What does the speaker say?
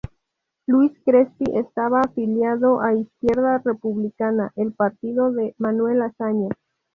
Luis Crespí estaba afiliado a Izquierda Republicana, el partido de Manuel Azaña.